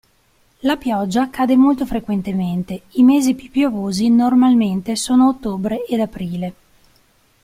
La pioggia cade molto frequentemente, i mesi più piovosi normalmente sono ottobre ed aprile.